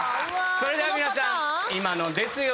それでは皆さん今のですよ。